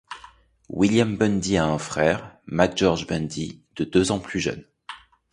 William Bundy a un frère, McGeorge Bundy, de deux ans plus jeune.